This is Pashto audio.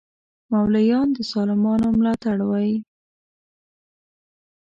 مولایان د ظالمانو ملاتړ وی